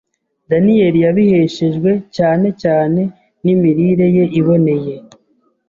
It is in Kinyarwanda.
Daniyeli yabiheshejwe cyane cyane n’imirire ye iboneye,